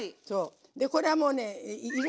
これはもうね要る？